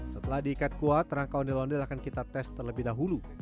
setelah diikat kuat rangka ondel ondel akan kita tes terlebih dahulu